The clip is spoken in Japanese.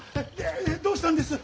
どうしたんです？